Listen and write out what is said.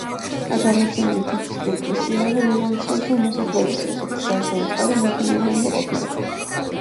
აქ აღმოჩენილი თიხის ჭურჭლის სიმრავლე მიგვანიშნებს, რომ მოსახლეობის ერთ-ერთი საარსებო წყარო მეთუნეობა უნდა ყოფილიყო.